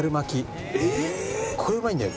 これうまいんだよ。